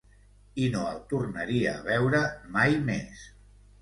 I no el tornaria a veure mai més.